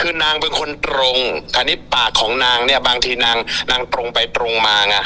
คือนางเป็นคนตรงนี่ปากของนางพี่บ้างที่นางตรงไปตรงมา